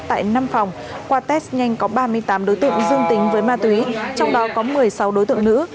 tại năm phòng qua test nhanh có ba mươi tám đối tượng dương tính với ma túy trong đó có một mươi sáu đối tượng nữ